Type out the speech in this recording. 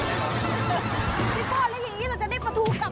พี่โต๊ะแล้วอย่างนี้เราจะได้ประทูกลับ